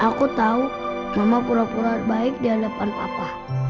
aku tahu mama pura pura baik di hadapan papa